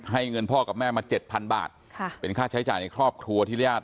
เงินพ่อกับแม่มาเจ็ดพันบาทค่ะเป็นค่าใช้จ่ายในครอบครัวที่ญาติ